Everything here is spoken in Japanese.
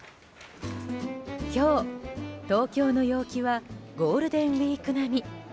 今日、東京の陽気はゴールデンウィーク並み。